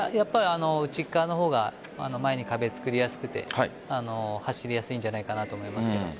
内側の方が前に壁を作りやすくて走りやすいんじゃないかなと思いますけど。